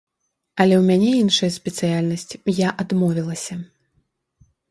Але ў мяне іншая спецыяльнасць, я адмовілася.